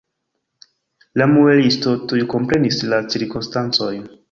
La muelisto tuj komprenis la cirkonstancojn.